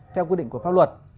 theo quy định của pháp luật